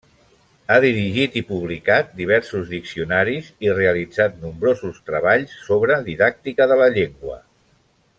Ha dirigit i publicat diversos diccionaris i realitzat nombrosos treballs sobre didàctica de la llengua.